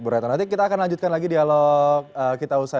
bu retno nanti kita akan lanjutkan lagi dialog kita usai